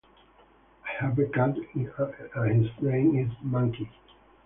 I have a cat and his name is Monkey.